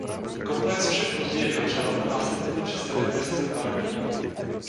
Komplex však později vyhořel a následně byl přestavěn ve stylu barokním.